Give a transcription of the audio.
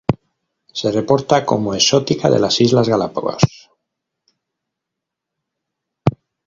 Se reporta como exótica de las Islas Galápagos.